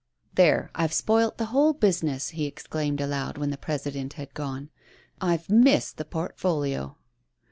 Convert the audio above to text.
"There, I've spoilt the whole business," he exclaimed aloud, when the President had gone. " I've missed the portlblio."